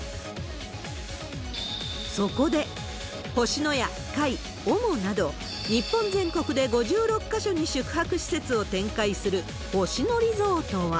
そこで、星のや、界、ＯＭＯなど、日本全国で５６か所に宿泊施設を展開する星野リゾートは。